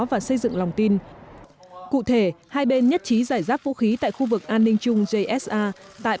và xây dựng lòng tin cụ thể hai bên nhất trí giải giáp vũ khí tại khu vực an ninh chung jsa tại